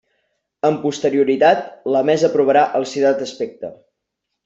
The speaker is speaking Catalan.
Amb posterioritat, la mesa aprovarà el citat aspecte.